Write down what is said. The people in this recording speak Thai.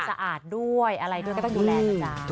สะอาดด้วยอะไรด้วยก็ต้องดูแลนะจ๊ะ